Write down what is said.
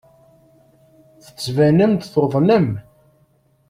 Tettbanem-d tuḍnem.